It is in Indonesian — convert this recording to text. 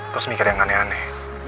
terus mikir yang aneh aneh